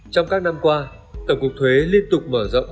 trong các năm qua tổng cục thuế liên tục mở rộng